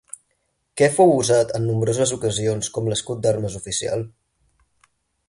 Què fou usat en nombroses ocasions com l'escut d'armes oficial?